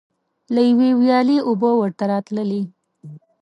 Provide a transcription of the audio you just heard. له یوې ویالې اوبه ورته راتللې.